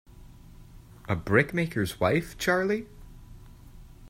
A brickmaker's wife, Charley?